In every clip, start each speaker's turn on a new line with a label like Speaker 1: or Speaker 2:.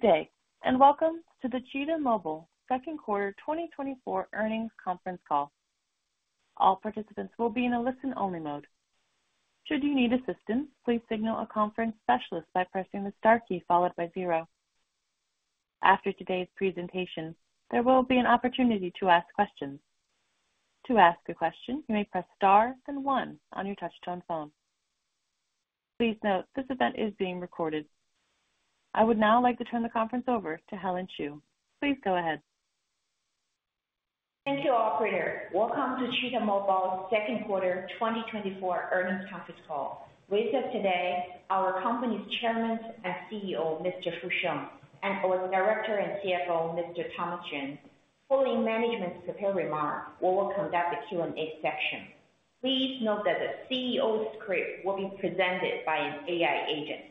Speaker 1: Good day, and welcome to the Cheetah Mobile Second Quarter 2024 Earnings Conference Call. All participants will be in a listen-only mode. Should you need assistance, please signal a conference specialist by pressing the star key followed by zero. After today's presentation, there will be an opportunity to ask questions. To ask a question, you may press star then one on your touch-tone phone. Please note, this event is being recorded. I would now like to turn the conference over to Helen Zhu. Please go ahead.
Speaker 2: Thank you, operator. Welcome to Cheetah Mobile's Second Quarter 2024 Earnings Conference Call. With us today, our company's chairman and CEO, Mr. Fu Sheng, and our director and CFO, Mr. Thomas Ren. Following management's prepared remarks, we will conduct the Q&A session. Please note that the CEO's script will be presented by an AI agent.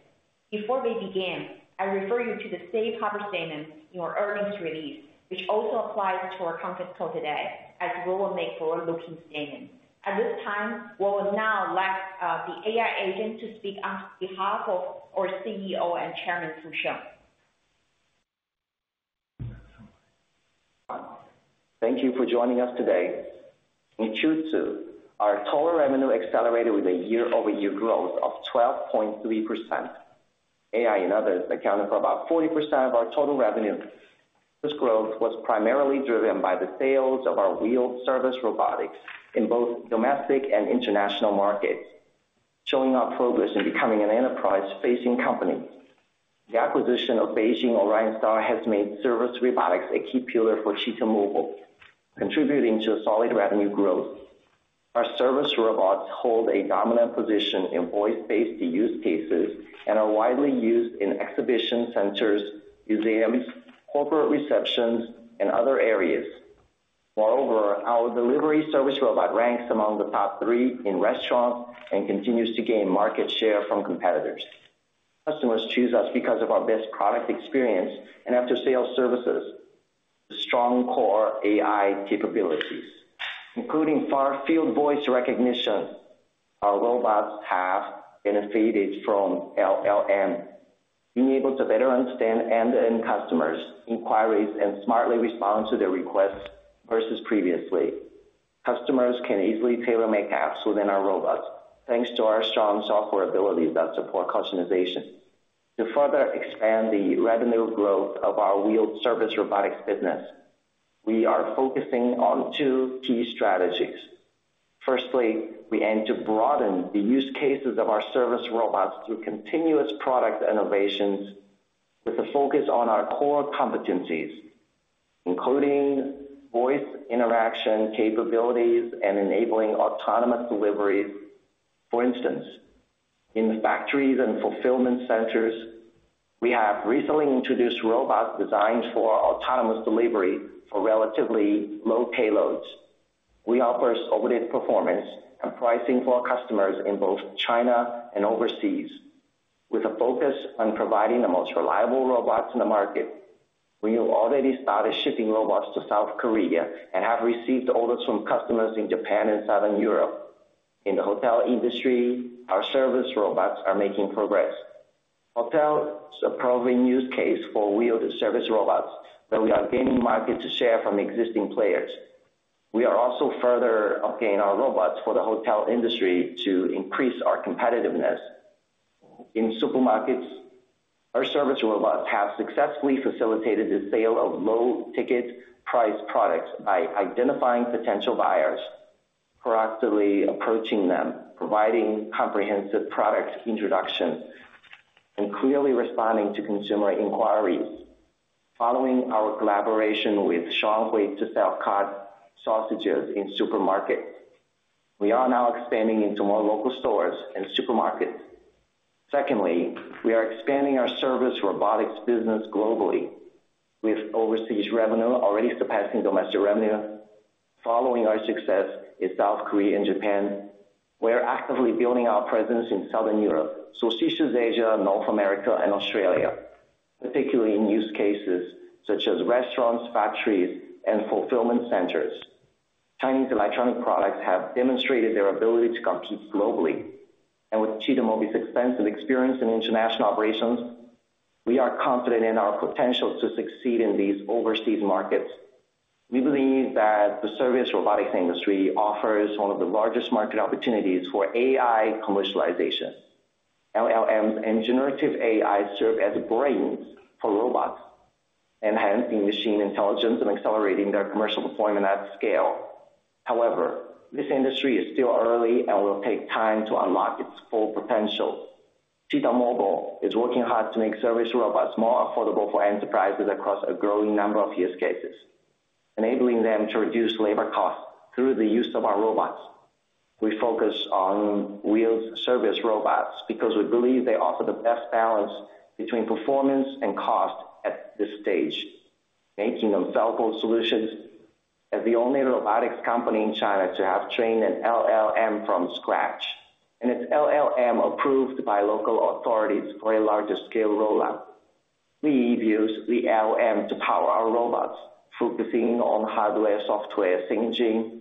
Speaker 2: Before we begin, I refer you to the safe harbor statement in our earnings release, which also applies to our conference call today, as we will make forward-looking statements. At this time, we will now like the AI agent to speak on behalf of our CEO and chairman, Fu Sheng.
Speaker 3: Thank you for joining us today. In Q2, our total revenue accelerated with a year-over-year growth of 12.3%. AI and others accounted for about 40% of our total revenue. This growth was primarily driven by the sales of our wheeled service robotics in both domestic and international markets, showing our progress in becoming an enterprise-facing company. The acquisition of Beijing OrionStar has made service robotics a key pillar for Cheetah Mobile, contributing to a solid revenue growth. Our service robots hold a dominant position in voice-based use cases and are widely used in exhibition centers, museums, corporate receptions, and other areas. Moreover, our delivery service robot ranks among the top three in restaurants and continues to gain market share from competitors. Customers choose us because of our best product experience and after-sales services. Strong core AI capabilities, including far-field voice recognition. Our robots have benefited from LLM, being able to better understand end-to-end customers' inquiries and smartly respond to their requests versus previously. Customers can easily tailor make apps within our robots, thanks to our strong software abilities that support customization. To further expand the revenue growth of our wheeled service robotics business, we are focusing on two key strategies. Firstly, we aim to broaden the use cases of our service robots through continuous product innovations with a focus on our core competencies, including voice interaction capabilities and enabling autonomous deliveries. For instance, in factories and fulfillment centers, we have recently introduced robots designed for autonomous delivery for relatively low payloads. We offer updated performance and pricing for our customers in both China and overseas, with a focus on providing the most reliable robots in the market. We have already started shipping robots to South Korea and have received orders from customers in Japan and Southern Europe. In the hotel industry, our service robots are making progress. Hotels are a probable use case for wheeled service robots, but we are gaining market share from existing players. We are also further updating our robots for the hotel industry to increase our competitiveness. In supermarkets, our service robots have successfully facilitated the sale of low-ticket-priced products by identifying potential buyers, proactively approaching them, providing comprehensive product introductions, and clearly responding to consumer inquiries. Following our collaboration with Shuanghui to sell cod sausages in supermarkets, we are now expanding into more local stores and supermarkets. Secondly, we are expanding our service robotics business globally, with overseas revenue already surpassing domestic revenue. Following our success in South Korea and Japan, we are actively building our presence in Southern Europe, Southeast Asia, North America, and Australia, particularly in use cases such as restaurants, factories, and fulfillment centers. Chinese electronic products have demonstrated their ability to compete globally, and with Cheetah Mobile's extensive experience in international operations, we are confident in our potential to succeed in these overseas markets. We believe that the service robotics industry offers one of the largest market opportunities for AI commercialization. LLMs and generative AI serve as brains for robots, enhancing machine intelligence and accelerating their commercial deployment at scale. However, this industry is still early and will take time to unlock its full potential. Cheetah Mobile is working hard to make service robots more affordable for enterprises across a growing number of use cases, enabling them to reduce labor costs through the use of our robots. We focus on wheeled service robots because we believe they offer the best balance between performance and cost at this stage, making them scalable solutions. As the only robotics company in China to have trained an LLM from scratch, and its LLM approved by local authorities for a larger scale rollout, we use the LLM to power our robots, focusing on hardware, software, syncing,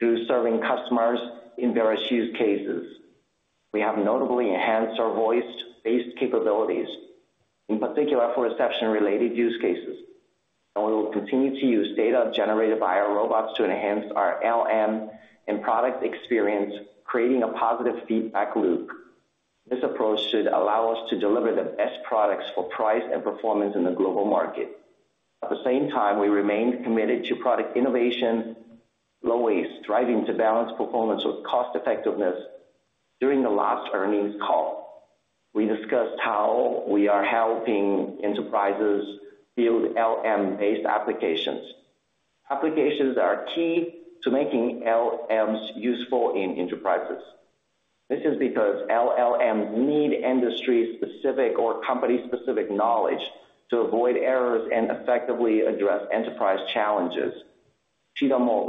Speaker 3: through serving customers in various use cases. We have notably enhanced our voice-based capabilities, in particular for reception-related use cases, and we will continue to use data generated by our robots to enhance our LLM and product experience, creating a positive feedback loop. This approach should allow us to deliver the best products for price and performance in the global market. At the same time, we remain committed to product innovation, low waste, striving to balance performance with cost effectiveness. During the last earnings call, we discussed how we are helping enterprises build LLM-based applications. Applications are key to making LLMs useful in enterprises. This is because LLMs need industry-specific or company-specific knowledge to avoid errors and effectively address enterprise challenges. Cheetah Mobile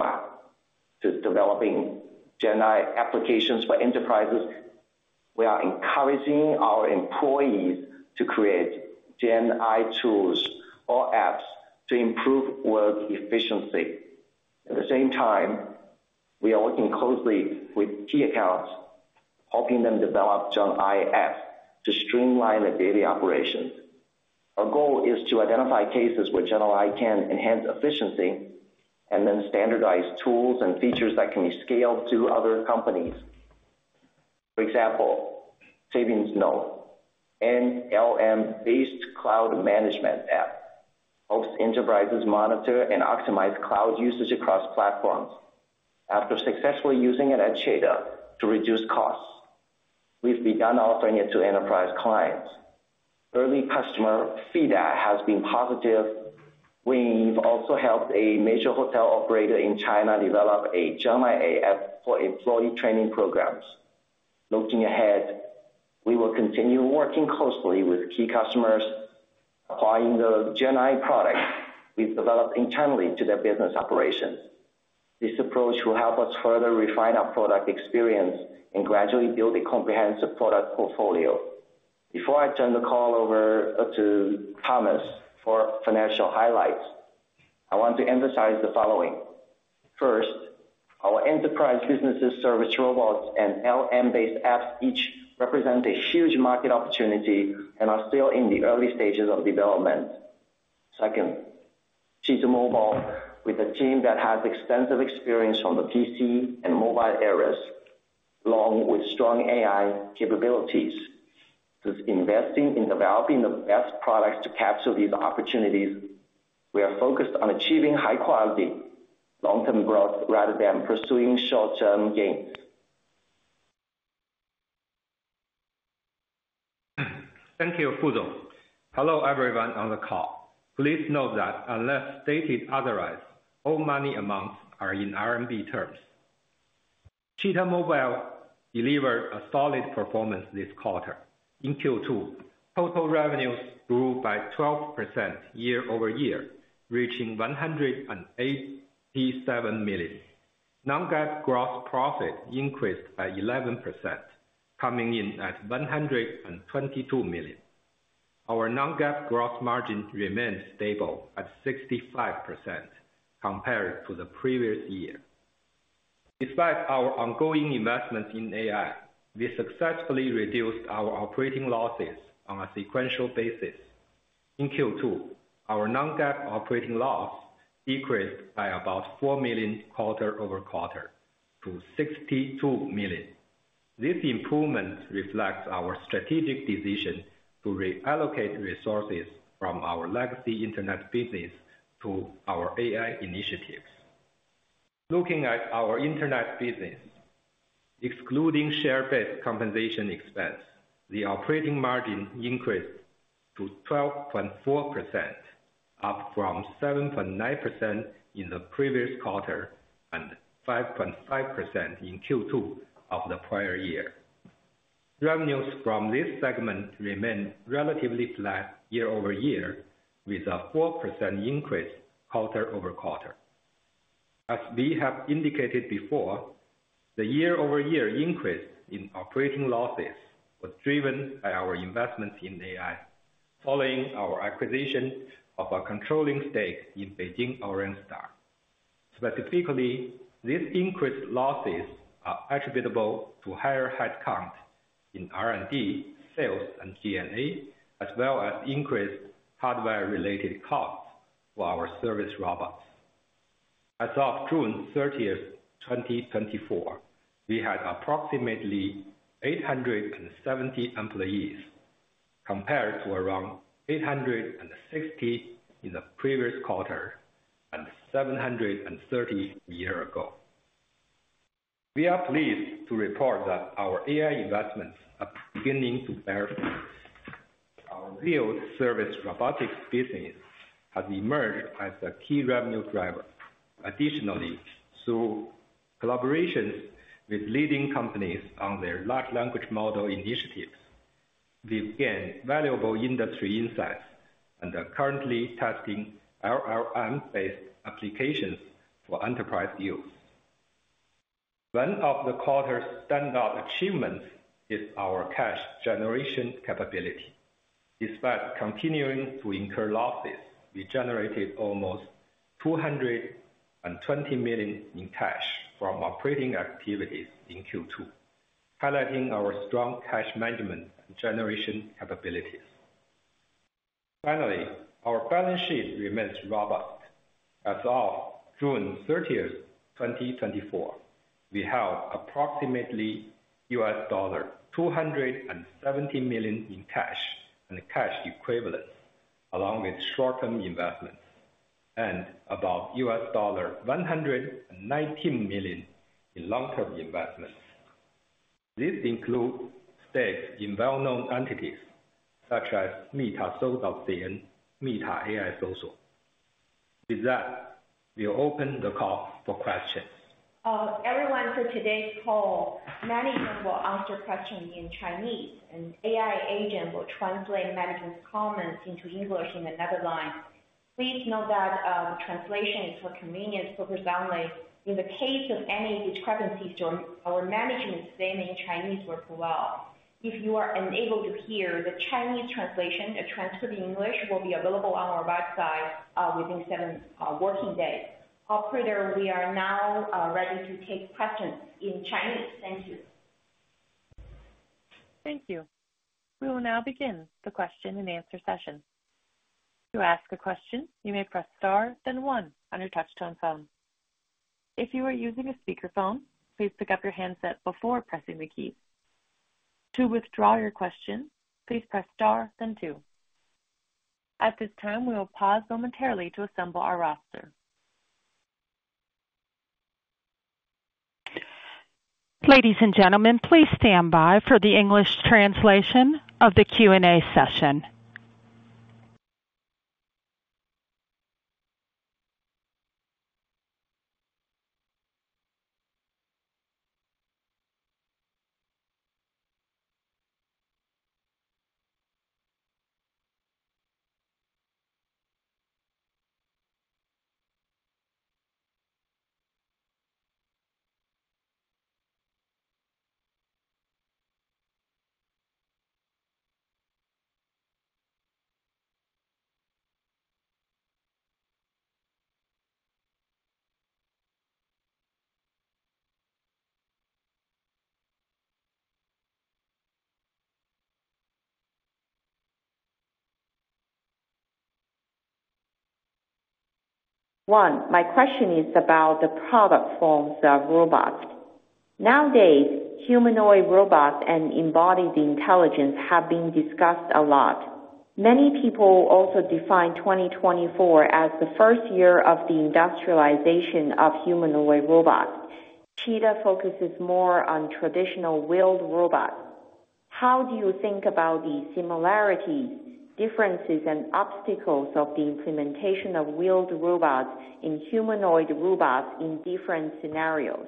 Speaker 3: is developing GenAI applications for enterprises. We are encouraging our employees to create GenAI tools or apps to improve work efficiency. At the same time, we are working closely with key accounts, helping them develop GenAI apps to streamline their daily operations. Our goal is to identify cases where GenAI can enhance efficiency, and then standardize tools and features that can be scaled to other companies. For example, Savings Note, an LLM-based cloud management app, helps enterprises monitor and optimize cloud usage across platforms. After successfully using it at Cheetah to reduce costs, we've begun offering it to enterprise clients. Early customer feedback has been positive. We've also helped a major hotel operator in China develop a GenAI app for employee training programs. Looking ahead, we will continue working closely with key customers, applying the GenAI product we've developed internally to their business operations. This approach will help us further refine our product experience and gradually build a comprehensive product portfolio. Before I turn the call over to Thomas for financial highlights, I want to emphasize the following. First, our enterprise businesses, service robots, and LLM-based apps, each represent a huge market opportunity and are still in the early stages of development. Second, Cheetah Mobile, with a team that has extensive experience on the PC and mobile areas, along with strong AI capabilities, is investing in developing the best products to capture these opportunities. We are focused on achieving high quality, long-term growth rather than pursuing short-term gains.
Speaker 4: Thank you, Fu Sheng. Hello, everyone on the call. Please note that unless stated otherwise, all money amounts are in RMB terms. Cheetah Mobile delivered a solid performance this quarter. In Q2, total revenues grew by 12% year-over-year, reaching 187 million. Non-GAAP gross profit increased by 11%, coming in at 122 million. Our non-GAAP gross margin remains stable at 65% compared to the previous year. Despite our ongoing investment in AI, we successfully reduced our operating losses on a sequential basis. In Q2, our non-GAAP operating loss decreased by about 4 million quarter-over-quarter to 62 million. This improvement reflects our strategic decision to reallocate resources from our legacy internet business to our AI initiatives. Looking at our internet business, excluding share-based compensation expense, the operating margin increased to 12.4%, up from 7.9% in the previous quarter, and 5.5% in Q2 of the prior year. Revenues from this segment remained relatively flat year-over-year, with a 4% increase quarter-over-quarter. As we have indicated before, the year-over-year increase in operating losses was driven by our investments in AI, following our acquisition of a controlling stake in Beijing OrionStar. Specifically, these increased losses are attributable to higher headcount in R&D, sales, and G&A, as well as increased hardware-related costs for our service robots. As of June 30th, 2024, we had approximately 870 employees, compared to around 860 in the previous quarter, and 730 year ago. We are pleased to report that our AI investments are beginning to bear fruit. Our wheeled service robotics business has emerged as a key revenue driver. Additionally, through collaborations with leading companies on their large language model initiatives, we've gained valuable industry insights and are currently testing LLM-based applications for enterprise use. One of the quarter's standout achievements is our cash generation capability. Despite continuing to incur losses, we generated almost $220 million in cash from operating activities in Q2, highlighting our strong cash management generation capabilities. Finally, our balance sheet remains robust. As of June 30th, 2024, we have approximately $270 million in cash and cash equivalents, along with short-term investments, and about $119 million in long-term investments. This includes stakes in well-known entities such as Meta, and Meta AI Social. With that, we open the call for questions.
Speaker 2: Everyone, for today's call, management will answer questions in Chinese, and AI agent will translate management's comments into English in another line. Please note that the translation is for convenience purposes only. In the case of any discrepancies, our management statement in Chinese works well. If you are unable to hear the Chinese translation, a transcript in English will be available on our website within seven working days. Operator, we are now ready to take questions in Chinese. Thank you.
Speaker 1: Thank you. We will now begin the question and answer session. To ask a question, you may press star, then one on your touchtone phone. If you are using a speakerphone, please pick up your handset before pressing the key. To withdraw your question, please press star, then two. At this time, we will pause momentarily to assemble our roster. Ladies and gentlemen, please stand by for the English translation of the Q&A session. One, my question is about the product forms of robots. Nowadays, humanoid robots and embodied intelligence have been discussed a lot. Many people also define 2024 as the first year of the industrialization of humanoid robots. Cheetah focuses more on traditional wheeled robots. How do you think about the similarities, differences, and obstacles of the implementation of wheeled robots in humanoid robots in different scenarios?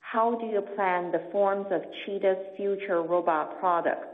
Speaker 1: How do you plan the forms of Cheetah's future robot products?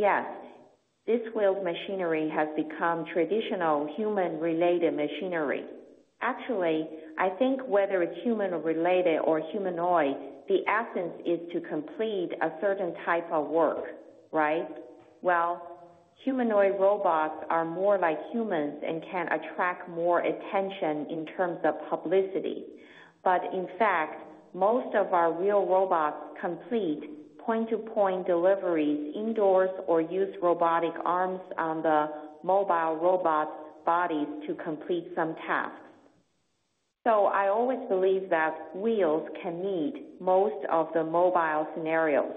Speaker 1: Yes, this wheeled machinery has become traditional human-related machinery. Actually, I think whether it's human-related or humanoid, the essence is to complete a certain type of work, right? Well, humanoid robots are more like humans and can attract more attention in terms of publicity. But in fact, most of our wheeled robots complete point-to-point deliveries indoors or use robotic arms on the mobile robot's bodies to complete some tasks. So I always believe that wheels can meet most of the mobile scenarios,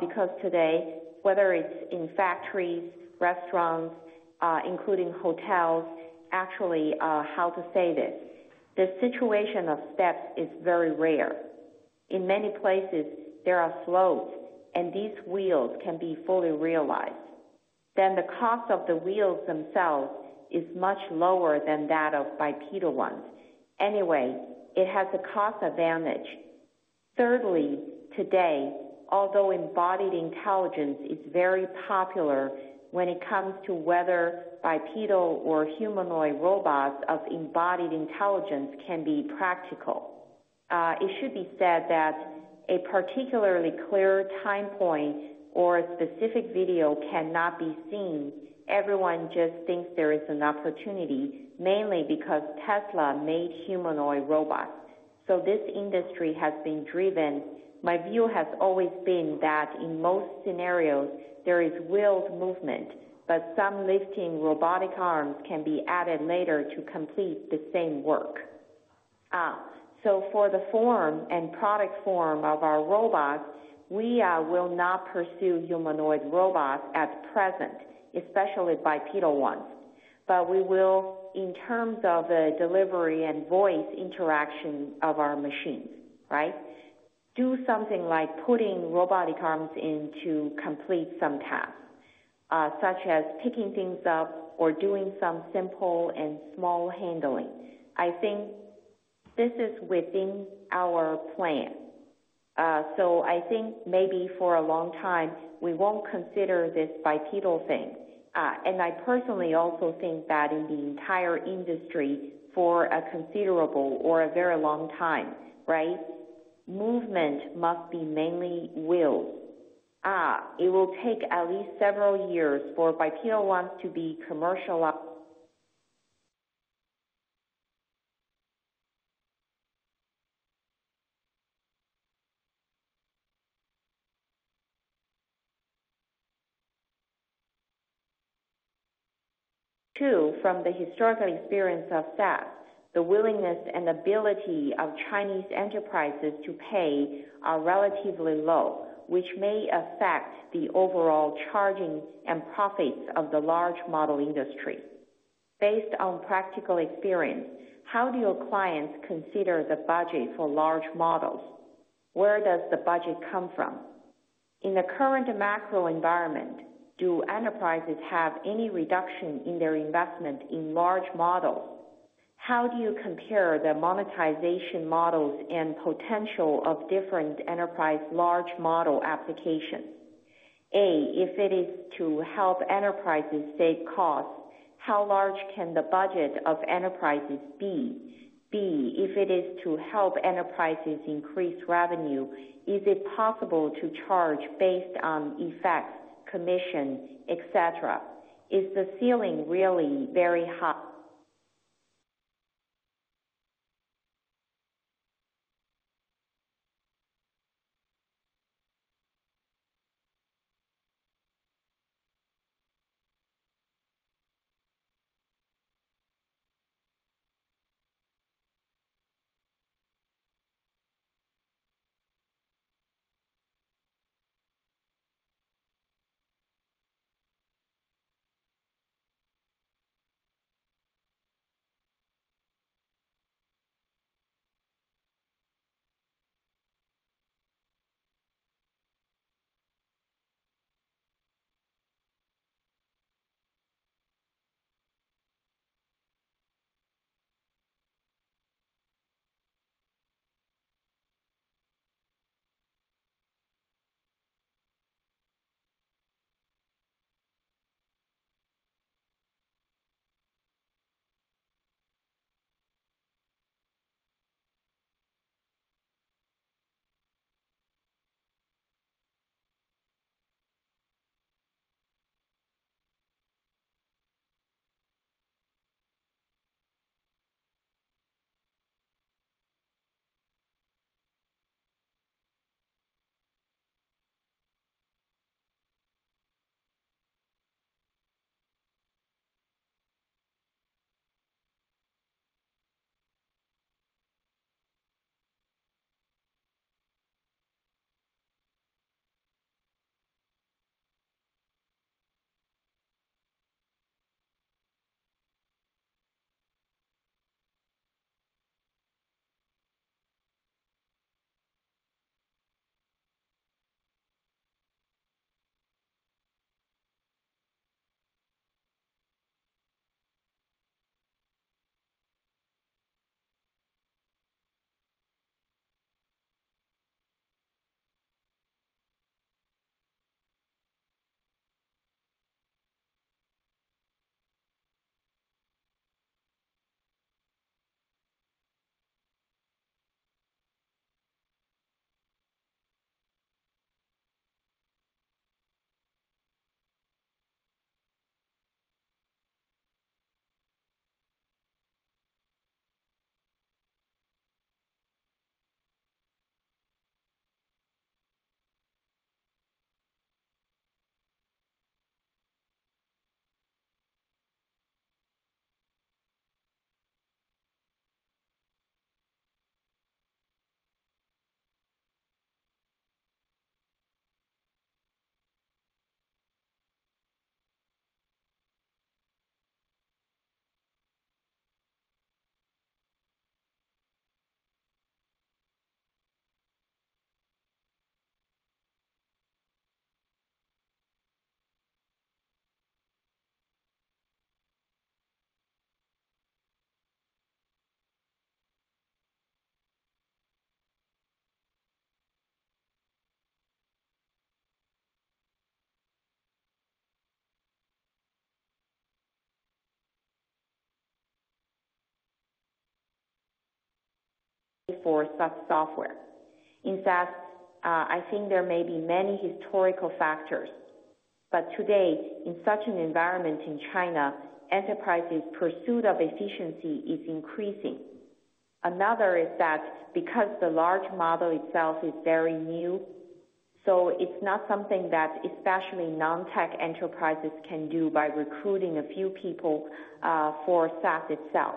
Speaker 1: because today, whether it's in factories, restaurants, including hotels, actually, the situation of steps is very rare. In many places, there are slopes, and these wheels can be fully realized. Then the cost of the wheels themselves is much lower than that of bipedal ones. Anyway, it has a cost advantage. Thirdly, today, although embodied intelligence is very popular when it comes to whether bipedal or humanoid robots of embodied intelligence can be practical. It should be said that a particularly clear time point or a specific video cannot be seen. Everyone just thinks there is an opportunity, mainly because Tesla made humanoid robots, so this industry has been driven. My view has always been that in most scenarios, there is wheeled movement, but some lifting robotic arms can be added later to complete the same work, so for the form and product form of our robots, we will not pursue humanoid robots at present, especially bipedal ones, but we will, in terms of the delivery and voice interaction of our machines, right? Do something like putting robotic arms in to complete some tasks, such as picking things up or doing some simple and small handling. I think this is within our plan, so I think maybe for a long time, we won't consider this bipedal thing, and I personally also think that in the entire industry, for a considerable or a very long time, right, movement must be mainly wheels. It will take at least several years for bipedal ones to be commercialized... Two, from the historical experience of SaaS, the willingness and ability of Chinese enterprises to pay are relatively low, which may affect the overall charging and profits of the large model industry. Based on practical experience, how do your clients consider the budget for large models? Where does the budget come from? In the current macro environment, do enterprises have any reduction in their investment in large models? How do you compare the monetization models and potential of different enterprise large model applications? A, if it is to help enterprises save costs, how large can the budget of enterprises be? B, if it is to help enterprises increase revenue, is it possible to charge based on effects, commission, et cetera? Is the ceiling really very high?... for such software. In fact, I think there may be many historical factors, but today, in such an environment in China, enterprises' pursuit of efficiency is increasing. Another is that because the large model itself is very new, so it's not something that especially non-tech enterprises can do by recruiting a few people for SaaS itself.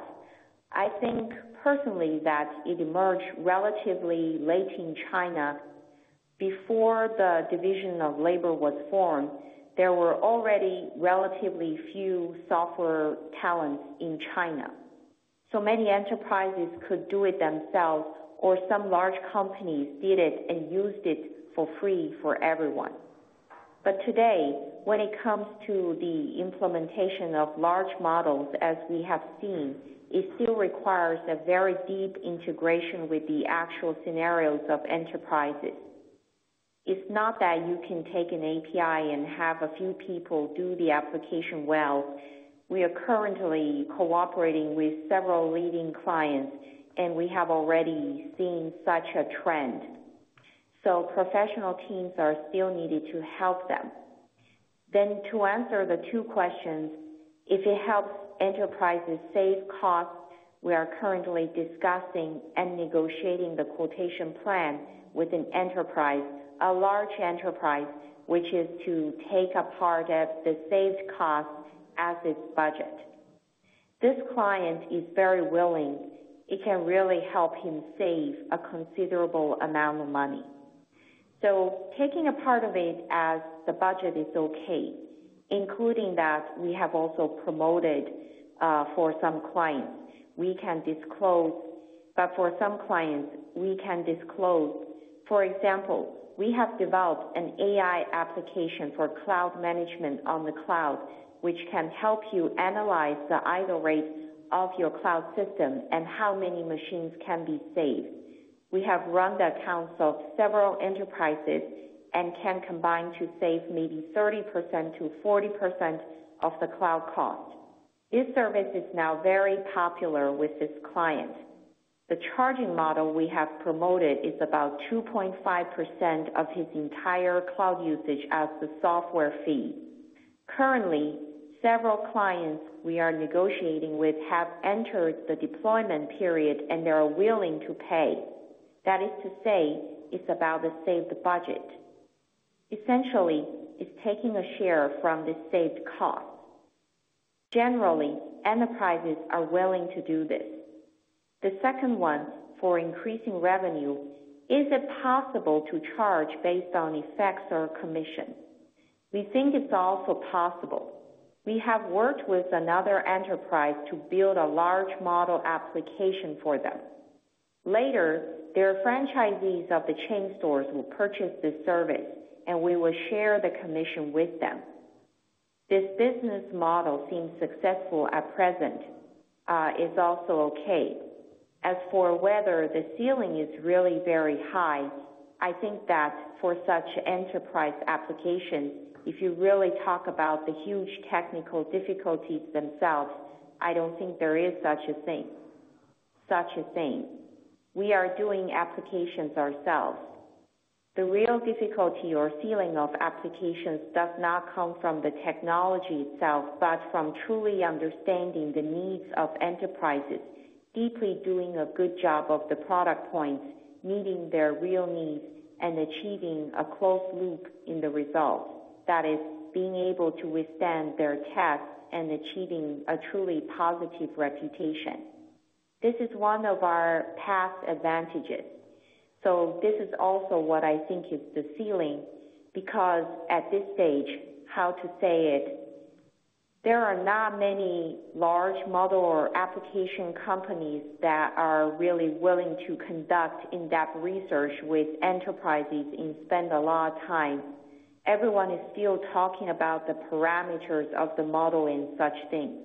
Speaker 1: I think personally that it emerged relatively late in China. Before the division of labor was formed, there were already relatively few software talents in China, so many enterprises could do it themselves, or some large companies did it and used it for free for everyone. But today, when it comes to the implementation of large models, as we have seen, it still requires a very deep integration with the actual scenarios of enterprises. It's not that you can take an API and have a few people do the application well. We are currently cooperating with several leading clients, and we have already seen such a trend, so professional teams are still needed to help them. Then to answer the two questions, if it helps enterprises save costs, we are currently discussing and negotiating the quotation plan with an enterprise, a large enterprise, which is to take a part of the saved cost as its budget. This client is very willing. It can really help him save a considerable amount of money. So taking a part of it as the budget is okay, including that, we have also promoted for some clients. We can disclose. But for some clients, we can disclose. For example, we have developed an AI application for cloud management on the cloud, which can help you analyze the idle rates of your cloud system and how many machines can be saved. We have run the accounts of several enterprises and can combine to save maybe 30%-40% of the cloud cost. This service is now very popular with this client. The charging model we have promoted is about 2.5% of his entire cloud usage as the software fee. Currently, several clients we are negotiating with have entered the deployment period, and they are willing to pay. That is to say, it's about the saved budget. Essentially, it's taking a share from the saved cost. Generally, enterprises are willing to do this. The second one, for increasing revenue, is it possible to charge based on effects or commission? We think it's also possible. We have worked with another enterprise to build a large model application for them. Later, their franchisees of the chain stores will purchase this service, and we will share the commission with them. This business model seems successful at present, is also okay. As for whether the ceiling is really very high, I think that for such enterprise applications, if you really talk about the huge technical difficulties themselves, I don't think there is such a thing, such a thing. We are doing applications ourselves. The real difficulty or ceiling of applications does not come from the technology itself, but from truly understanding the needs of enterprises, deeply doing a good job of the product points, meeting their real needs, and achieving a closed loop in the results. That is, being able to withstand their tests and achieving a truly positive reputation. This is one of our past advantages. So this is also what I think is the ceiling, because at this stage, how to say it? There are not many large model or application companies that are really willing to conduct in-depth research with enterprises and spend a lot of time. Everyone is still talking about the parameters of the model and such things.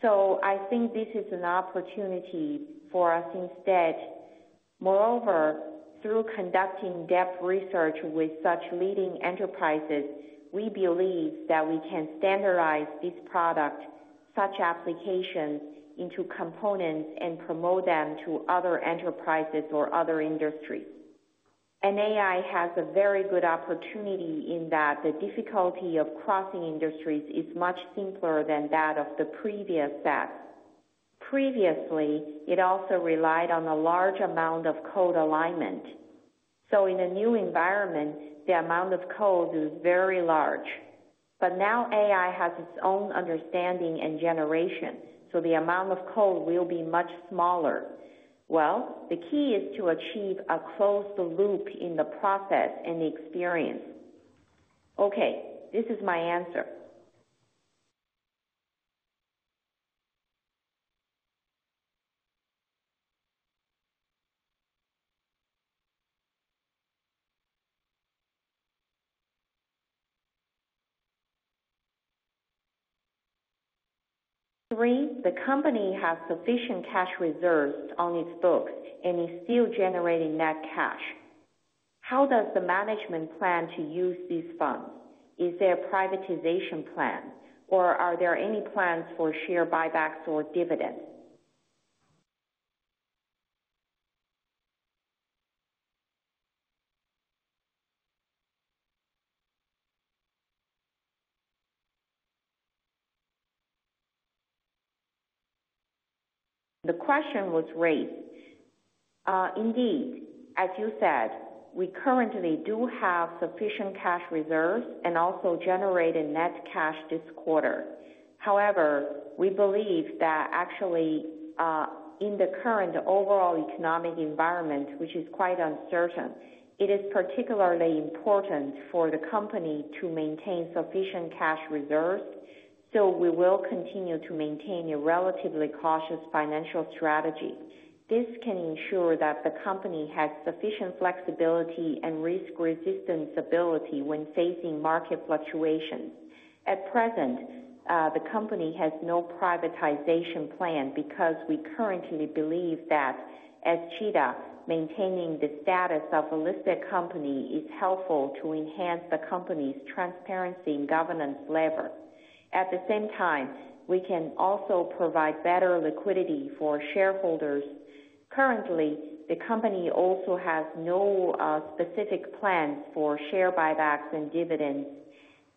Speaker 1: So I think this is an opportunity for us instead. Moreover, through conducting in-depth research with such leading enterprises, we believe that we can standardize this product, such applications into components and promote them to other enterprises or other industries, and AI has a very good opportunity in that the difficulty of crossing industries is much simpler than that of the previous steps. Previously, it also relied on a large amount of code alignment, so in a new environment, the amount of code is very large, but now AI has its own understanding and generation, so the amount of code will be much smaller. The key is to achieve a closed loop in the process and the experience. Okay, this is my answer. Three, the company has sufficient cash reserves on its books and is still generating net cash. How does the management plan to use these funds? Is there a privatization plan, or are there any plans for share buybacks or dividends? The question was raised. Indeed, as you said, we currently do have sufficient cash reserves and also generated net cash this quarter. However, we believe that actually, in the current overall economic environment, which is quite uncertain, it is particularly important for the company to maintain sufficient cash reserves, so we will continue to maintain a relatively cautious financial strategy. This can ensure that the company has sufficient flexibility and risk resistance ability when facing market fluctuations. At present, the company has no privatization plan because we currently believe that as Cheetah, maintaining the status of a listed company is helpful to enhance the company's transparency and governance labor. At the same time, we can also provide better liquidity for shareholders. Currently, the company also has no specific plans for share buybacks and dividends.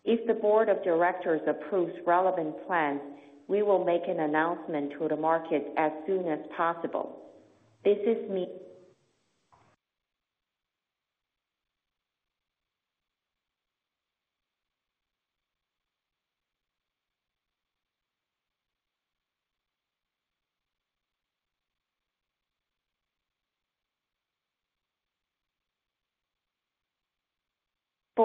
Speaker 1: If the board of directors approves relevant plans, we will make an announcement to the market as soon as possible.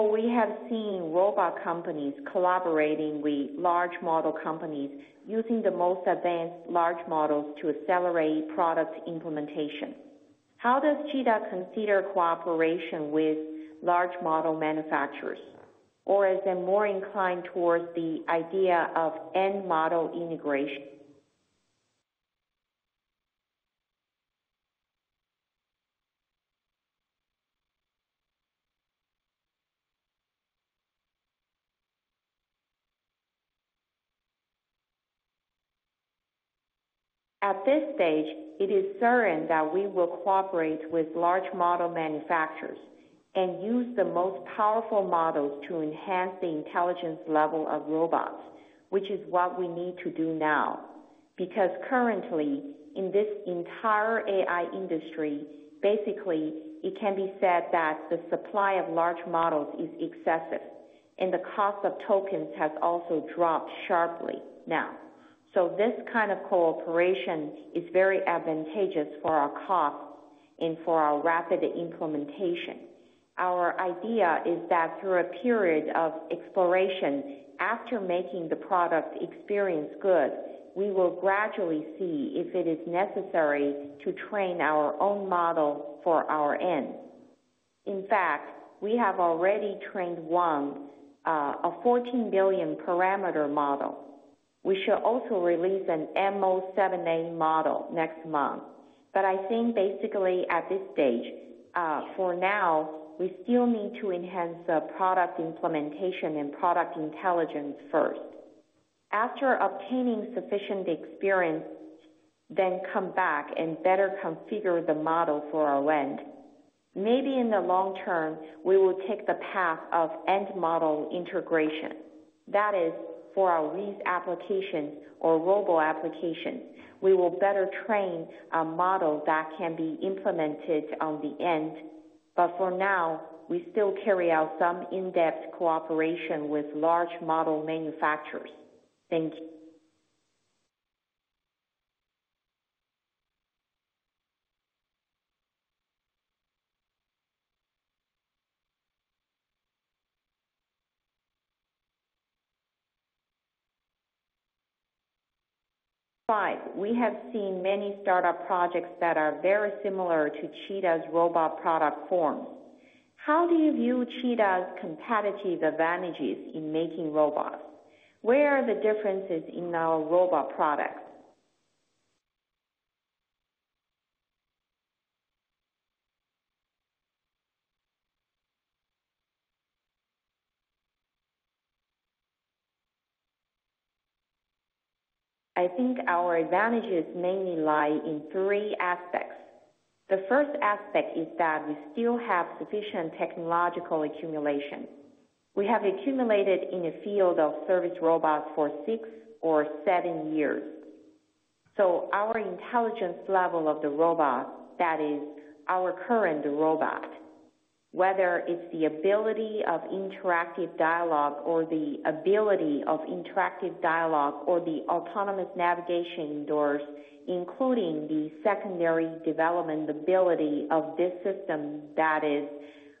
Speaker 1: But we have seen robot companies collaborating with large model companies using the most advanced large models to accelerate product implementation. How does Cheetah consider cooperation with large model manufacturers, or is it more inclined towards the idea of end model integration? At this stage, it is certain that we will cooperate with large model manufacturers and use the most powerful models to enhance the intelligence level of robots, which is what we need to do now, because currently, in this entire AI industry, basically, it can be said that the supply of large models is excessive, and the cost of tokens has also dropped sharply now. So this kind of cooperation is very advantageous for our cost and for our rapid implementation. Our idea is that through a period of exploration, after making the product experience good, we will gradually see if it is necessary to train our own model for our end. In fact, we have already trained one, a 14 billion parameter model. We shall also release an Orion-7B model next month. But I think basically at this stage, for now, we still need to enhance the product implementation and product intelligence first. After obtaining sufficient experience, then come back and better configure the model for our end. Maybe in the long term, we will take the path of end model integration. That is, for our lease application or robot application, we will better train a model that can be implemented on the end. But for now, we still carry out some in-depth cooperation with large model manufacturers. Thank you. Five, we have seen many startup projects that are very similar to Cheetah's robot product form. How do you view Cheetah's competitive advantages in making robots? Where are the differences in our robot products? I think our advantages mainly lie in three aspects. The first aspect is that we still have sufficient technological accumulation. We have accumulated in the field of service robots for six or seven years. So our intelligence level of the robot, that is our current robot, whether it's the ability of interactive dialogue, or the autonomous navigation indoors, including the secondary development ability of this system, that is,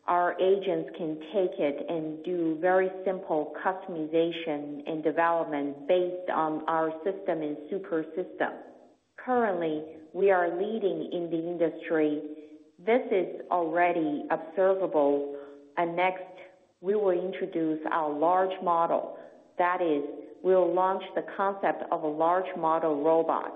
Speaker 1: our agents can take it and do very simple customization and development based on our system and super system. Currently, we are leading in the industry. This is already observable, and next, we will introduce our large model. That is, we'll launch the concept of a large model robot.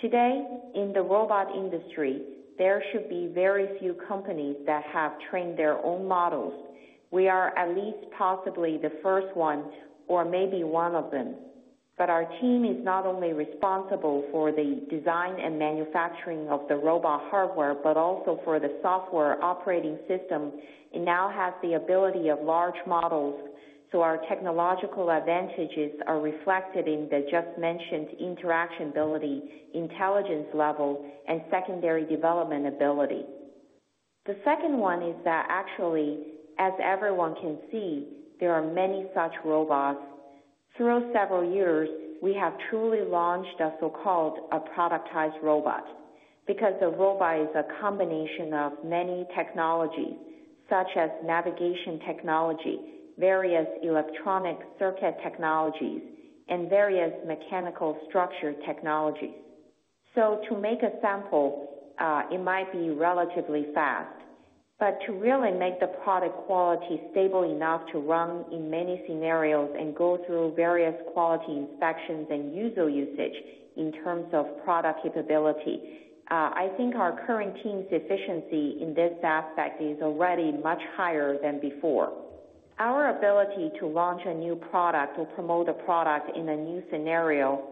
Speaker 1: Today, in the robot industry, there should be very few companies that have trained their own models. We are at least possibly the first one, or maybe one of them. But our team is not only responsible for the design and manufacturing of the robot hardware, but also for the software operating system. It now has the ability of large models, so our technological advantages are reflected in the just mentioned interaction ability, intelligence level, and secondary development ability. The second one is that actually, as everyone can see, there are many such robots. Through several years, we have truly launched a so-called productized robot, because a robot is a combination of many technologies, such as navigation technology, various electronic circuit technologies, and various mechanical structure technologies. So to make a sample, it might be relatively fast, but to really make the product quality stable enough to run in many scenarios and go through various quality inspections and user usage in terms of product capability, I think our current team's efficiency in this aspect is already much higher than before. Our ability to launch a new product or promote a product in a new scenario,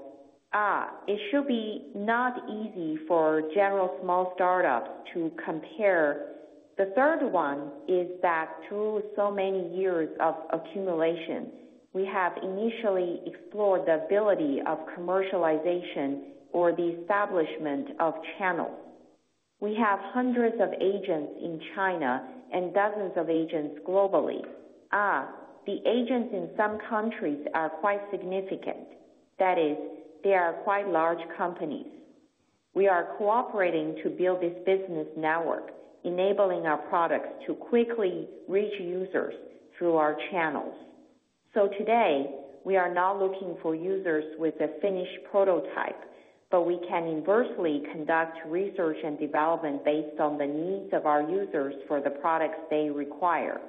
Speaker 1: it should be not easy for general small startups to compare. The third one is that through so many years of accumulation, we have initially explored the ability of commercialization or the establishment of channels. We have hundreds of agents in China and dozens of agents globally. The agents in some countries are quite significant. That is, they are quite large companies. We are cooperating to build this business network, enabling our products to quickly reach users through our channels. So today, we are now looking for users with a finished prototype, but we can inversely conduct research and development based on the needs of our users for the products they require.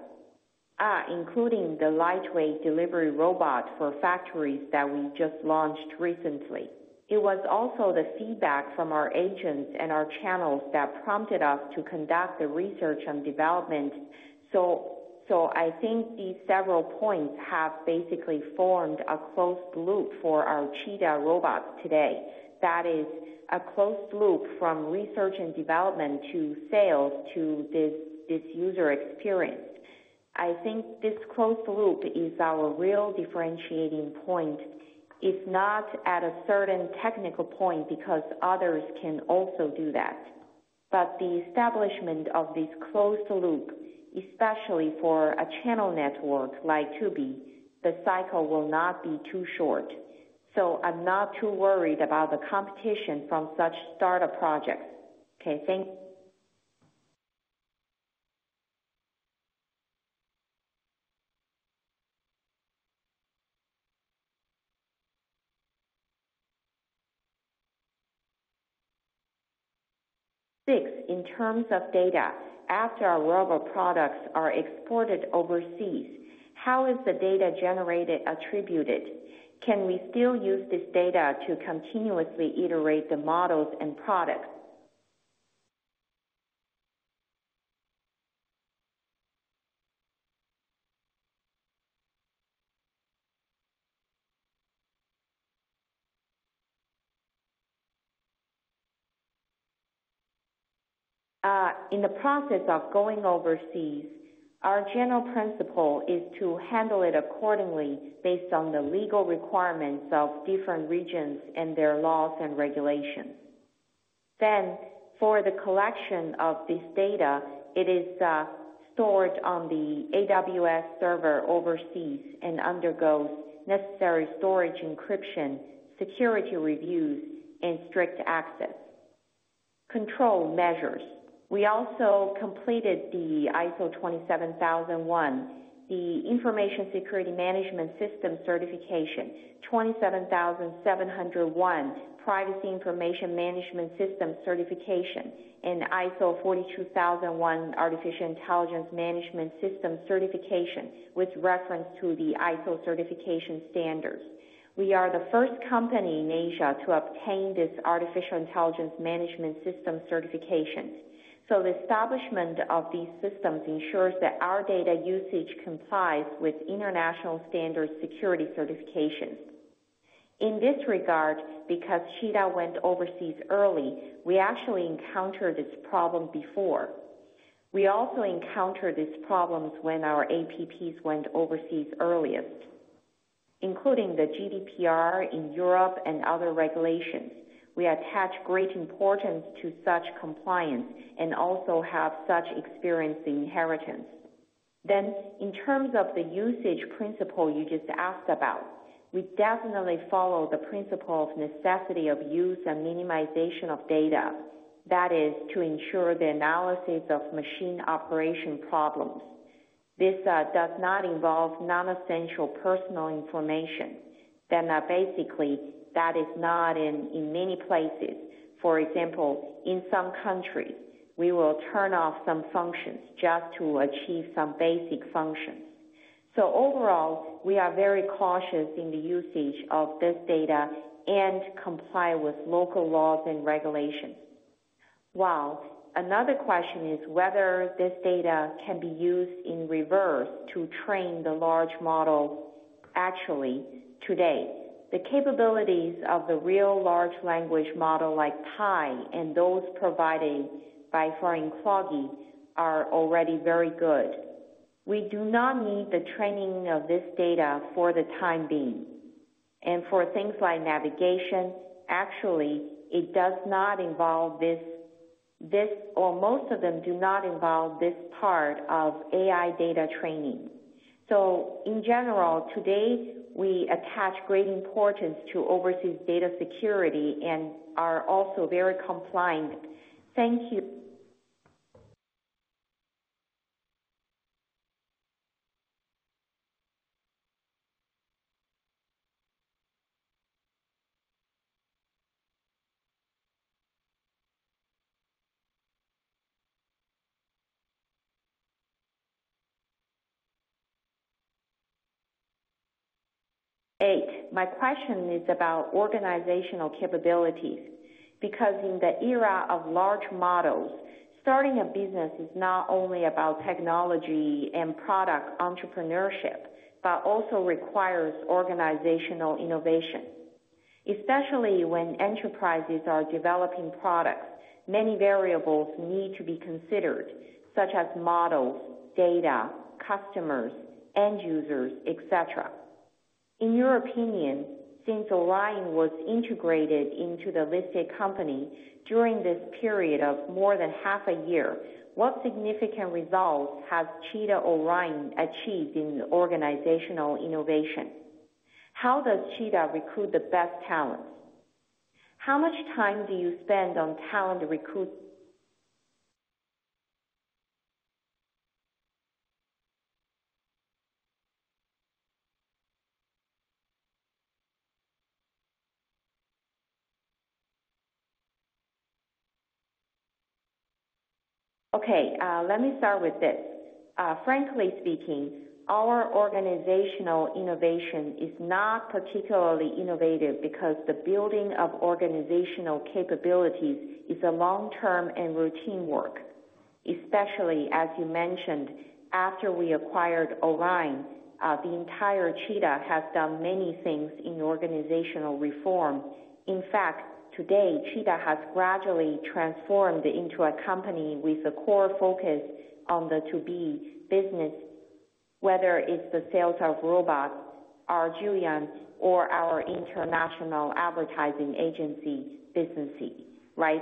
Speaker 1: Including the lightweight delivery robot for factories that we just launched recently. It was also the feedback from our agents and our channels that prompted us to conduct the research and development. So, I think these several points have basically formed a closed loop for our Cheetah robots today. That is a closed loop from research and development to sales to this, this user experience. I think this closed loop is our real differentiating point, if not at a certain technical point, because others can also do that. But the establishment of this closed loop, especially for a channel network like To-B, the cycle will not be too short. So I'm not too worried about the competition from such startup projects. Okay, thanks. Six, in terms of data, after our robot products are exported overseas, how is the data generated attributed? Can we still use this data to continuously iterate the models and products? In the process of going overseas, our general principle is to handle it accordingly based on the legal requirements of different regions and their laws and regulations. Then, for the collection of this data, it is stored on the AWS server overseas and undergoes necessary storage, encryption, security reviews, and strict access control measures. We also completed the ISO 27001, the Information Security Management System certification, ISO 27701 Privacy Information Management System certification, and ISO 42001 Artificial Intelligence Management System certification, with reference to the ISO certification standards. We are the first company in Asia to obtain this Artificial Intelligence Management System certification. So the establishment of these systems ensures that our data usage complies with international standard security certifications. In this regard, because Cheetah went overseas early, we actually encountered this problem before. We also encountered these problems when our apps went overseas earliest, including the GDPR in Europe and other regulations. We attach great importance to such compliance and also have such experience inheritance. Then, in terms of the usage principle you just asked about, we definitely follow the principle of necessity of use and minimization of data. That is, to ensure the analysis of machine operation problems. This does not involve non-essential personal information. Then, basically, that is not in many places. For example, in some countries, we will turn off some functions just to achieve some basic functions. So overall, we are very cautious in the usage of this data and comply with local laws and regulations. While another question is whether this data can be used in reverse to train the large models. Actually, today, the capabilities of the real large language model like Pi and those provided by iFlytek are already very good. We do not need the training of this data for the time being. And for things like navigation, actually, it does not involve this or most of them do not involve this part of AI data training. So in general, today, we attach great importance to overseas data security and are also very compliant. Thank you. Eight. My question is about organizational capabilities, because in the era of large models, starting a business is not only about technology and product entrepreneurship, but also requires organizational innovation. Especially when enterprises are developing products, many variables need to be considered, such as models, data, customers, end users, et cetera. In your opinion, since Orion was integrated into the listed company during this period of more than half a year, what significant results has Cheetah Orion achieved in organizational innovation? How does Cheetah recruit the best talent? How much time do you spend on talent recruit? Okay, let me start with this. Frankly speaking, our organizational innovation is not particularly innovative because the building of organizational capabilities is a long-term and routine work. Especially, as you mentioned, after we acquired Orion, the entire Cheetah has done many things in organizational reform. In fact, today, Cheetah has gradually transformed into a company with a core focus on the To-B business, whether it's the sales of robots, our Juliang, or our international advertising agency businesses, right?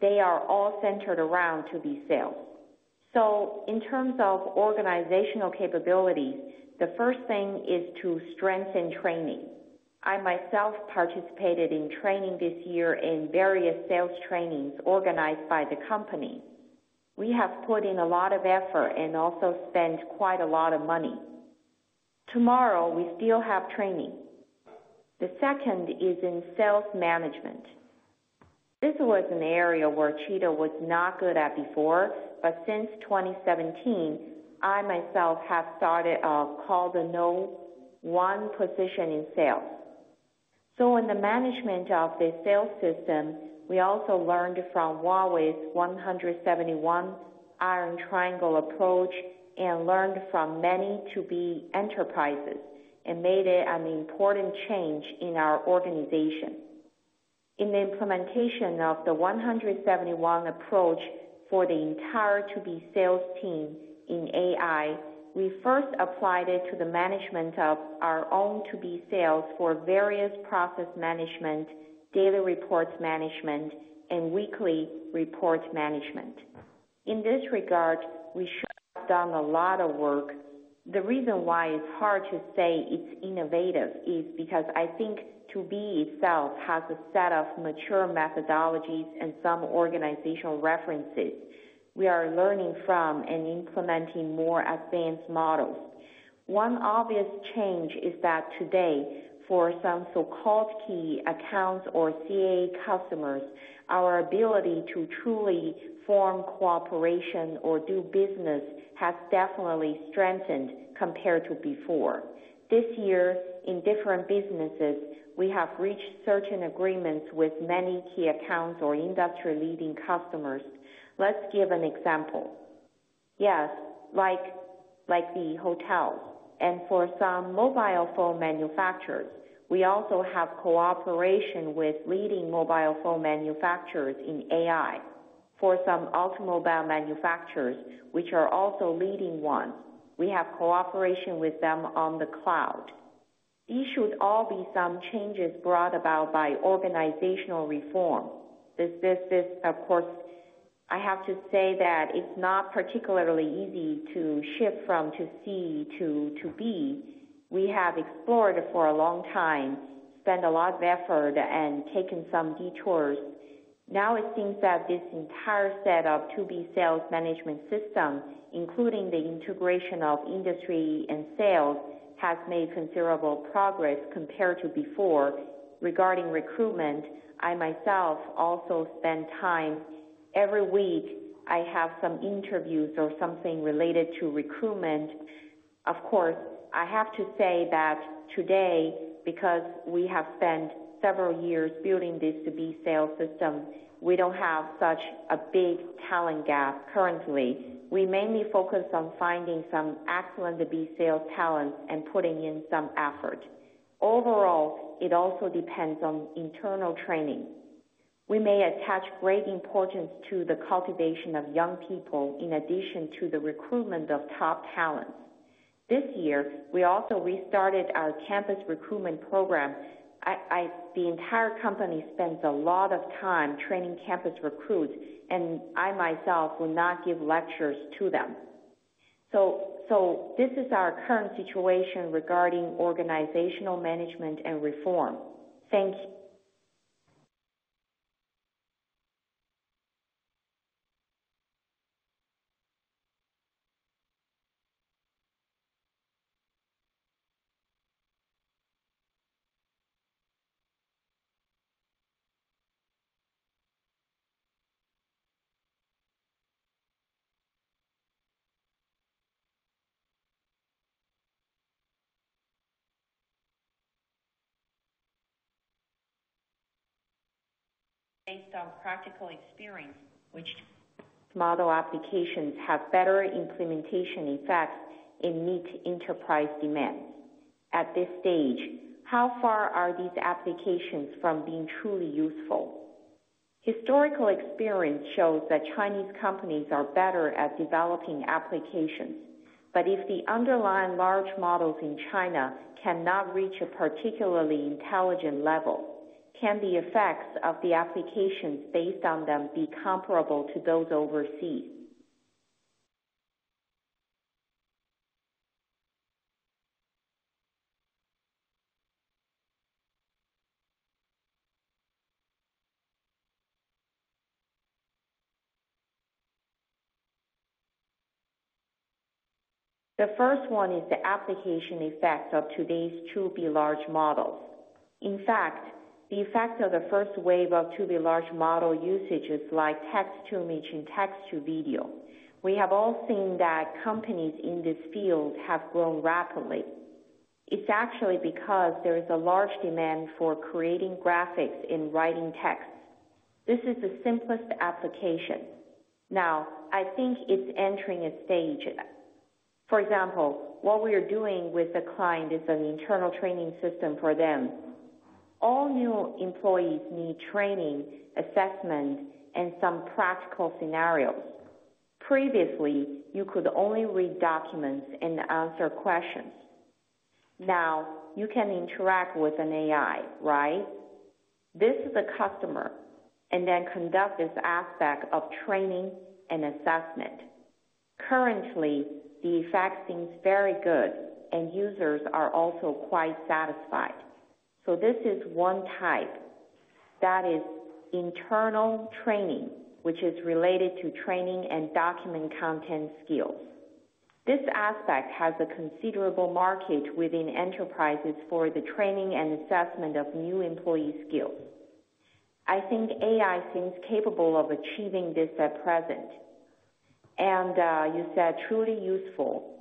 Speaker 1: They are all centered around To-B sales. So in terms of organizational capabilities, the first thing is to strengthen training. I myself participated in training this year in various sales trainings organized by the company. We have put in a lot of effort and also spent quite a lot of money. Tomorrow, we still have training. The second is in sales management. This was an area where Cheetah was not good at before, but since 2017 I myself have started, called the No One position in sales. So in the management of the sales system, we also learned from Huawei's LTC iron triangle approach, and learned from many To-B enterprises, and made it an important change in our organization. In the implementation of the one hundred and seventy one approach for the entire To-B sales team in AI, we first applied it to the management of our own To-B sales for various process management, daily reports management, and weekly report management.... In this regard, we should have done a lot of work. The reason why it's hard to say it's innovative is because I think To-B itself has a set of mature methodologies and some organizational references. We are learning from and implementing more advanced models. One obvious change is that today, for some so-called key accounts or CA customers, our ability to truly form cooperation or do business has definitely strengthened compared to before. This year, in different businesses, we have reached certain agreements with many key accounts or industry-leading customers. Let's give an example. Yes, like the hotels, and for some mobile phone manufacturers, we also have cooperation with leading mobile phone manufacturers in AI. For some automobile manufacturers, which are also leading ones, we have cooperation with them on the cloud. These should all be some changes brought about by organizational reform. This, of course, I have to say that it's not particularly easy to shift from To-C to To-B. We have explored for a long time, spent a lot of effort, and taken some detours. Now it seems that this entire set of To B sales management system, including the integration of industry and sales, has made considerable progress compared to before. Regarding recruitment, I myself also spend time. Every week, I have some interviews or something related to recruitment. Of course, I have to say that today, because we have spent several years building this to B sales system, we don't have such a big talent gap currently. We mainly focus on finding some excellent to B sales talent and putting in some effort. Overall, it also depends on internal training. We may attach great importance to the cultivation of young people in addition to the recruitment of top talent. This year, we also restarted our campus recruitment program. The entire company spends a lot of time training campus recruits, and I myself will not give lectures to them. So, so this is our current situation regarding organizational management and reform. Thank you. Based on practical experience, which model applications have better implementation effects and meet enterprise demands? At this stage, how far are these applications from being truly useful? Historical experience shows that Chinese companies are better at developing applications, but if the underlying large models in China cannot reach a particularly intelligent level, can the effects of the applications based on them be comparable to those overseas? The first one is the application effects of today's to B large models. In fact, the effects of the first wave of to B large model usages, like text-to-image and text-to-video. We have all seen that companies in this field have grown rapidly. It's actually because there is a large demand for creating graphics in writing text. This is the simplest application. Now, I think it's entering a stage. For example, what we are doing with the client is an internal training system for them. All new employees need training, assessment, and some practical scenarios. Previously, you could only read documents and answer questions. Now, you can interact with an AI, right? This is a customer, and then conduct this aspect of training and assessment. Currently, the effect seems very good, and users are also quite satisfied. So this is one type, that is internal training, which is related to training and document content skills. This aspect has a considerable market within enterprises for the training and assessment of new employee skills. I think AI seems capable of achieving this at present. And, you said truly useful.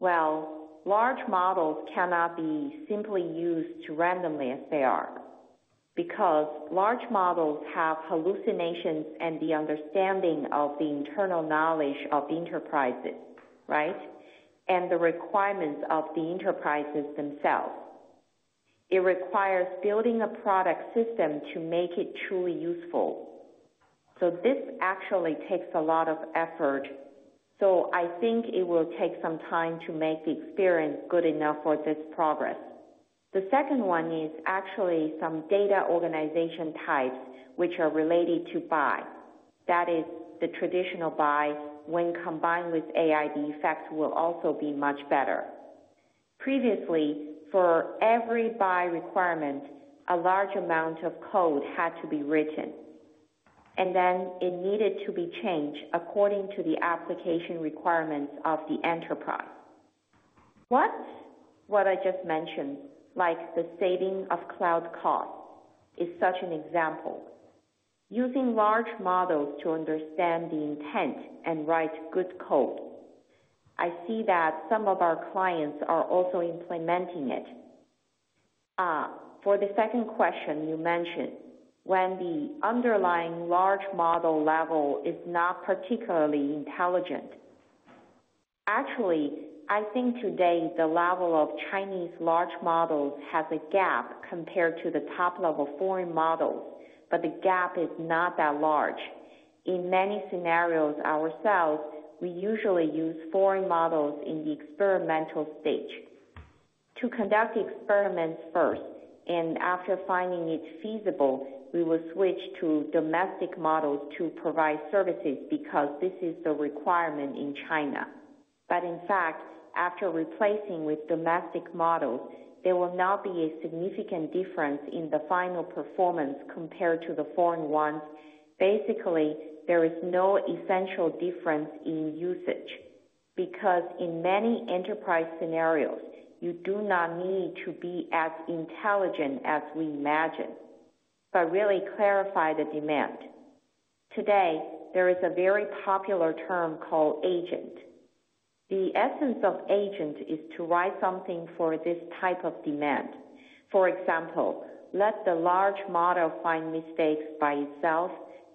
Speaker 1: Well, large models cannot be simply used randomly as they are, because large models have hallucinations and the understanding of the internal knowledge of the enterprises, right? The requirements of the enterprises themselves. It requires building a product system to make it truly useful. So this actually takes a lot of effort, so I think it will take some time to make the experience good enough for this progress. The second one is actually some data organization types, which are related to buy. That is the traditional buy, when combined with AI, the effects will also be much better. Previously, for every buy requirement, a large amount of code had to be written, and then it needed to be changed according to the application requirements of the enterprise. What I just mentioned, like the saving of cloud costs, is such an example. Using large models to understand the intent and write good code, I see that some of our clients are also implementing it. For the second question you mentioned, when the underlying large model level is not particularly intelligent. Actually, I think today the level of Chinese large models has a gap compared to the top-level foreign models, but the gap is not that large. In many scenarios, ourselves, we usually use foreign models in the experimental stage. To conduct experiments first, and after finding it feasible, we will switch to domestic models to provide services, because this is the requirement in China. But in fact, after replacing with domestic models, there will not be a significant difference in the final performance compared to the foreign ones. Basically, there is no essential difference in usage, because in many enterprise scenarios, you do not need to be as intelligent as we imagine, but really clarify the demand. Today, there is a very popular term called agent. The essence of agent is to write something for this type of demand. For example, let the large model find mistakes by itself,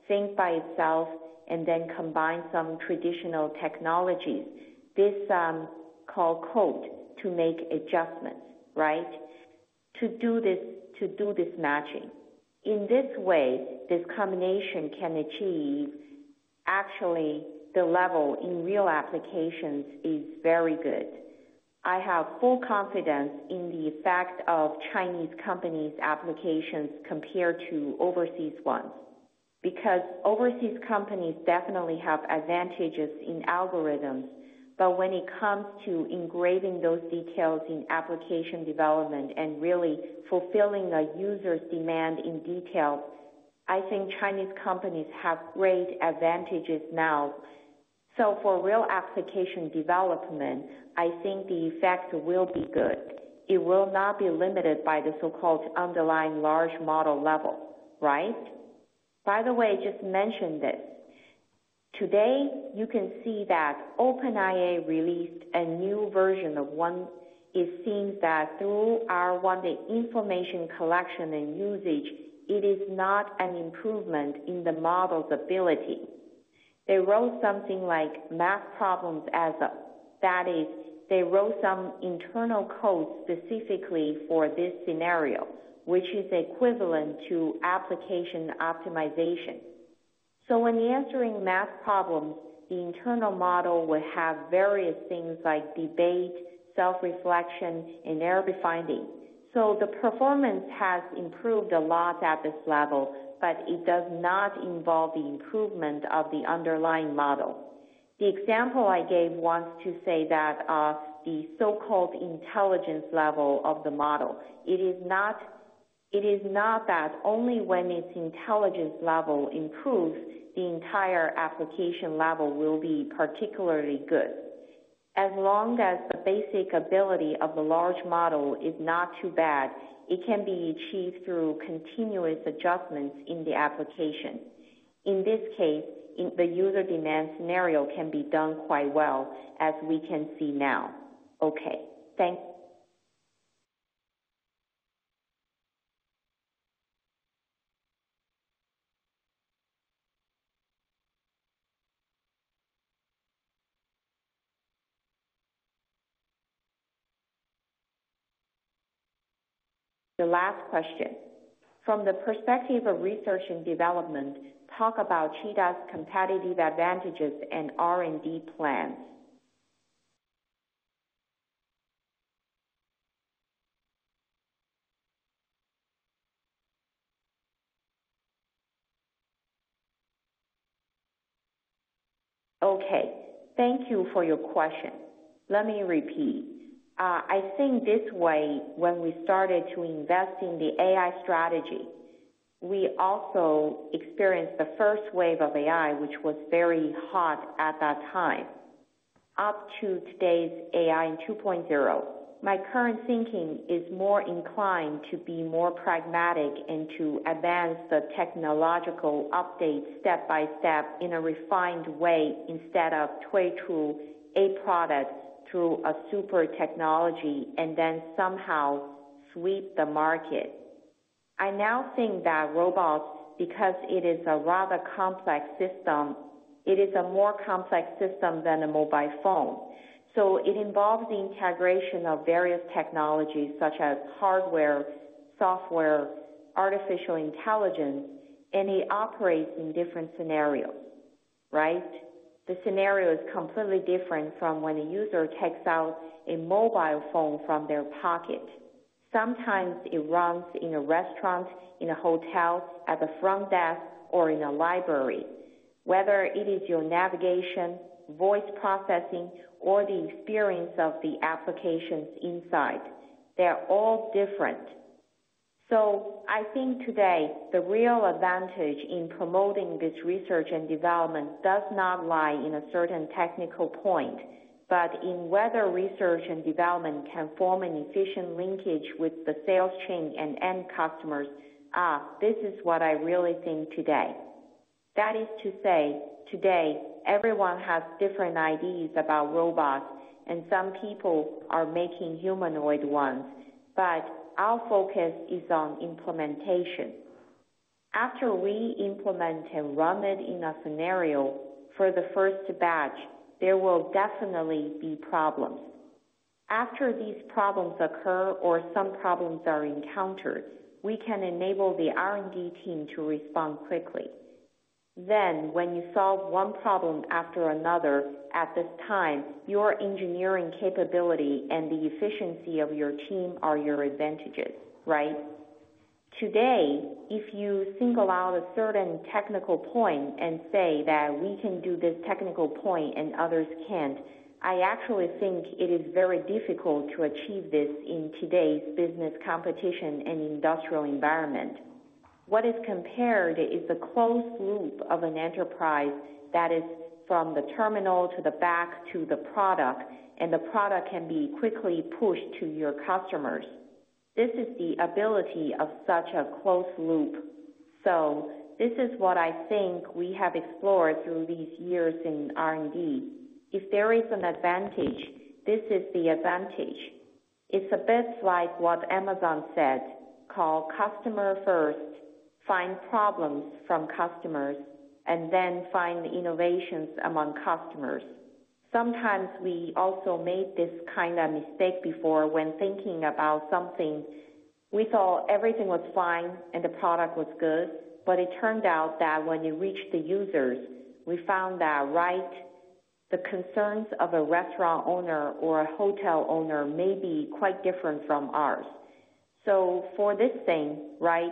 Speaker 1: think by itself, and then combine some traditional technologies. This, call code to make adjustments, right? To do this, to do this matching. In this way, this combination can achieve... Actually, the level in real applications is very good. I have full confidence in the effect of Chinese companies' applications compared to overseas ones, because overseas companies definitely have advantages in algorithms. But when it comes to engineering those details in application development and really fulfilling a user's demand in detail, I think Chinese companies have great advantages now. So for real application development, I think the effects will be good. It will not be limited by the so-called underlying large model level, right? By the way, just mention this. Today, you can see that OpenAI released a new version of o1. It seems that through o1, the information collection and usage, it is not an improvement in the model's ability. They wrote something like math problems as a... That is, they wrote some internal code specifically for this scenario, which is equivalent to application optimization. So when answering math problems, the internal model will have various things like debate, self-reflection, and error refining. So the performance has improved a lot at this level, but it does not involve the improvement of the underlying model. The example I gave wants to say that, the so-called intelligence level of the model, it is not, it is not that only when its intelligence level improves, the entire application level will be particularly good. As long as the basic ability of the large model is not too bad, it can be achieved through continuous adjustments in the application. In this case, in the user demand scenario can be done quite well, as we can see now. Okay, thanks. The last question: From the perspective of research and development, talk about Cheetah's competitive advantages and R&D plans. Okay, thank you for your question. Let me repeat. I think this way, when we started to invest in the AI strategy, we also experienced the first wave of AI, which was very hot at that time, up to today's AI in 2.0. My current thinking is more inclined to be more pragmatic and to advance the technological updates step by step, in a refined way, instead of relying on a product through a super technology and then somehow sweep the market. I now think that robots, because it is a rather complex system, it is a more complex system than a mobile phone. So it involves the integration of various technologies such as hardware, software, artificial intelligence, and it operates in different scenarios.... Right? The scenario is completely different from when a user takes out a mobile phone from their pocket. Sometimes it runs in a restaurant, in a hotel, at the front desk, or in a library. Whether it is your navigation, voice processing, or the experience of the applications inside, they are all different. So I think today, the real advantage in promoting this research and development does not lie in a certain technical point, but in whether research and development can form an efficient linkage with the sales chain and end customers. Ah, this is what I really think today. That is to say, today, everyone has different ideas about robots, and some people are making humanoid ones, but our focus is on implementation. After we implement and run it in a scenario for the first batch, there will definitely be problems. After these problems occur or some problems are encountered, we can enable the R&D team to respond quickly. Then, when you solve one problem after another, at this time, your engineering capability and the efficiency of your team are your advantages, right? Today, if you single out a certain technical point and say that we can do this technical point and others can't, I actually think it is very difficult to achieve this in today's business competition and industrial environment. What is compared is the closed loop of an enterprise that is from the terminal to the back to the product, and the product can be quickly pushed to your customers. This is the ability of such a closed loop. So this is what I think we have explored through these years in R&D. If there is an advantage, this is the advantage. It's a bit like what Amazon said, called customer first, find problems from customers, and then find innovations among customers. Sometimes we also made this kind of mistake before when thinking about something. We thought everything was fine and the product was good, but it turned out that when you reach the users, we found that, right, the concerns of a restaurant owner or a hotel owner may be quite different from ours. So for this thing, right,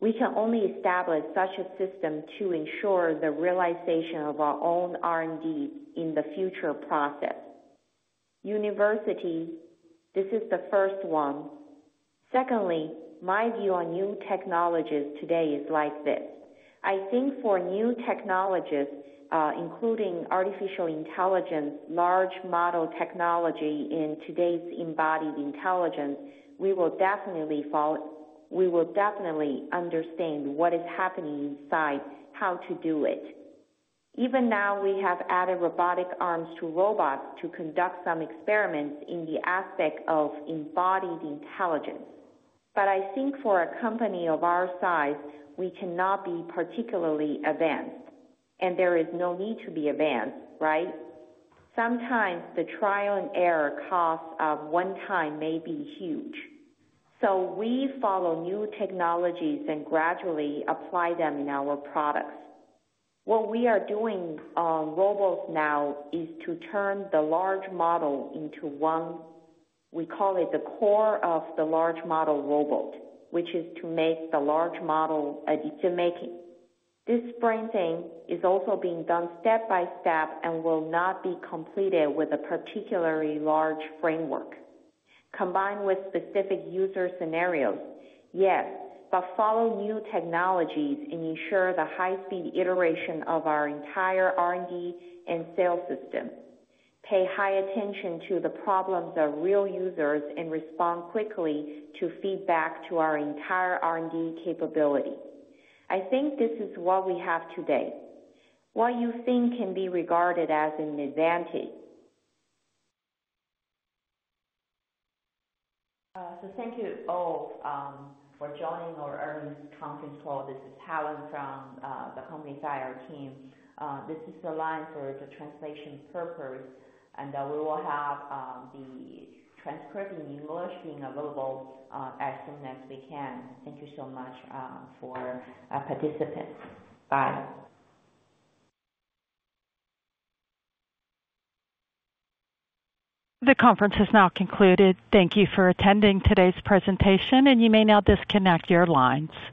Speaker 1: we can only establish such a system to ensure the realization of our own R&D in the future process. University, this is the first one. Secondly, my view on new technologies today is like this: I think for new technologies, including artificial intelligence, large model technology in today's embodied intelligence, we will definitely follow. We will definitely understand what is happening inside, how to do it. Even now, we have added robotic arms to robots to conduct some experiments in the aspect of embodied intelligence. But I think for a company of our size, we cannot be particularly advanced, and there is no need to be advanced, right? Sometimes the trial and error costs of one time may be huge. So we follow new technologies and gradually apply them in our products. What we are doing on robots now is to turn the large model into one. We call it the core of the large model robot, which is to make the large model decision making. This framing is also being done step by step and will not be completed with a particularly large framework. Combined with specific user scenarios, yes, but follow new technologies and ensure the high-speed iteration of our entire R&D and sales system. Pay high attention to the problems of real users and respond quickly to feedback to our entire R&D capability. I think this is what we have today. What you think can be regarded as an advantage.
Speaker 2: So thank you all for joining our earnings conference call. This is Helen from the company IR team. This is the line for the translation purpose, and we will have the transcript in English being available as soon as we can. Thank you so much for participants. Bye.
Speaker 1: The conference has now concluded. Thank you for attending today's presentation, and you may now disconnect your lines.